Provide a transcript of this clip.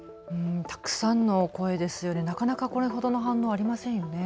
たくさんの声ですよね、なかなかこれほどの反応ありませんよね。